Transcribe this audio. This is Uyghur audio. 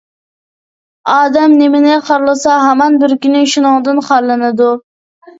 ئادەم نېمىنى خارلىسا ھامان بىر كۈنى شۇنىڭدىن خارلىنىدۇ.